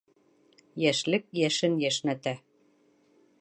Йәшлек йәшен йәшнәтә.